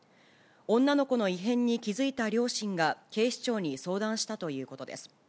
女の子の異変に気付いた両親が警視庁に相談したということです。